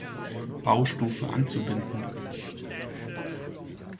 Baustufe anzubinden.